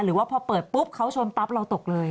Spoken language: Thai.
หรือว่าพอเปิดปุ๊บเขาชนปั๊บเราตกเลย